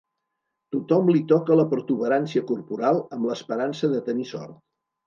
Tothom li toca la protuberància corporal amb l'esperança de tenir sort.